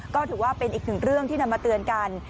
ก็ถือว่าเป็นอีกหนึ่งเรื่องที่นำมาเตือนกัน